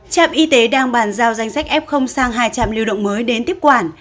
trạm y tế đang bàn giao danh sách f sang hai trạm lưu động mới đến tiếp quản